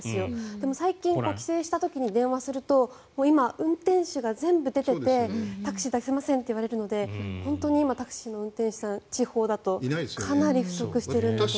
でも最近、帰省した時に電話すると今、運転手が全部出ててタクシー出せませんと言われるので本当に今タクシーの運転手さん地方だとかなり不足していると思います。